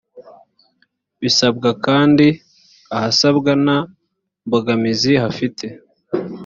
bisabwa kandi ahasabwa nta mbogamizi hafite